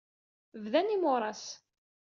Bdan yimuras.